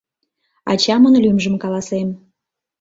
Ачамын лӱмжым каласем.